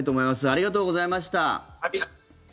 ありがとうございます。